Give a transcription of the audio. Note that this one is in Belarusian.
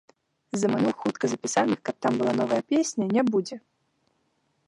Заманух, хутка запісаных, каб там была новая песня, не будзе.